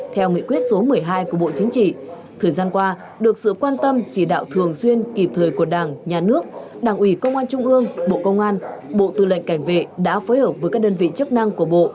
theo nghị quyết số một mươi hai của bộ chính trị thời gian qua được sự quan tâm chỉ đạo thường xuyên kịp thời của đảng nhà nước đảng ủy công an trung ương bộ công an bộ tư lệnh cảnh vệ đã phối hợp với các đơn vị chức năng của bộ